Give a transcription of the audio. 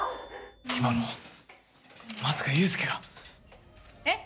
今のまさか雄亮が？えっ？